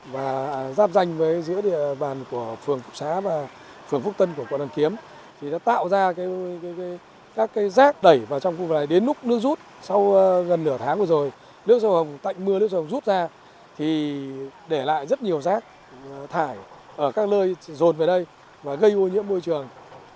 và giáp danh với giữa địa bàn của phường phúc xá và phường phúc tân của quận đàn kiếm thì đã tạo ra các rác đẩy vào trong khu vực này đến lúc nước rút sau gần nửa tháng vừa rồi nước sông hồng tạnh mưa nước sông hồng rút ra thì để lại rất nhiều rác thải ở các nơi rồn về đây và gây ô nhiễm môi trường